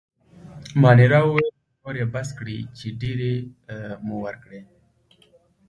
مانیرا وویل: نور يې بس کړئ، چې ډېرې مو وکړې.